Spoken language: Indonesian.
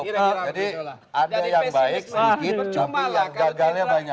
jadi ada yang baik sedikit tapi yang gagalnya banyak